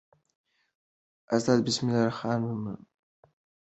استاد بسم الله خان معلومات راکړي وو.